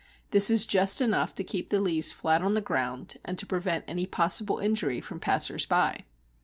This is just enough to keep the leaves flat on the ground and to prevent any possible injury from passers by.